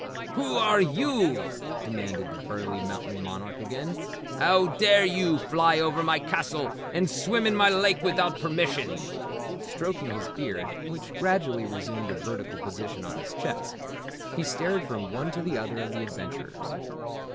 "Whew are yew?" demanded the burly mountain monarch again. "How dare yew fly over my castle and swim in my lake without permission?" Stroking his beard which gradually resumed a vertical position on his chest, he stared from one to the other of the adventurers.